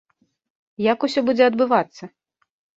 Як усё будзе адбывацца?